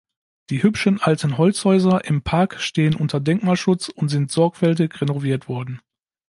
Die hübschen alten Holzhäuser im Park stehen unter Denkmalschutz und sind sorgfältig renoviert worden.